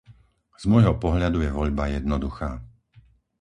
Z môjho pohľadu je voľba jednoduchá.